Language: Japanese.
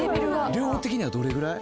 量的にはどれぐらい？